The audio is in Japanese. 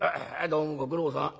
『どうもご苦労さん。